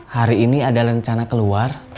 hari ini ada rencana keluar